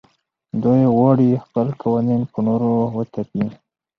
دوی غواړي خپل قوانین پر نورو وتپي.